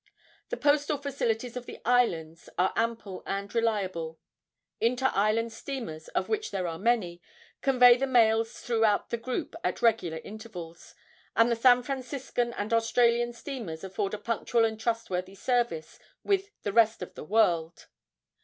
The postal facilities of the islands are ample and reliable. Inter island steamers, of which there are many, convey the mails throughout the group at regular intervals, and the San Franciscan and Australian steamers afford a punctual and trustworthy service with the rest of the world.